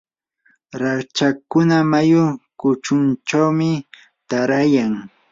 rachakkuna mayu kuchunchawmi taarayan.